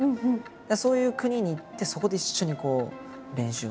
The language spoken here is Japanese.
そういう国に行ってそこで一緒に練習をする。